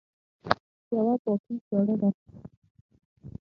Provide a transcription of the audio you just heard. یوه پاکي چاړه راکړئ